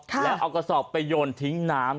แล้วเอากระสอบไปโยนทิ้งน้ำ